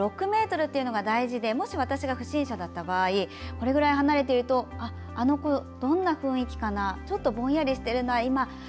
６ｍというのが大事でもし私が不審者だった場合これくらい離れているとあの子、どんな雰囲気かなちょっとぼんやりしているな